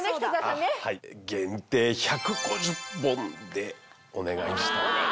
限定１５０本でお願いしたい。